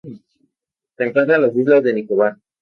Se encuentra en las islas de Nicobar.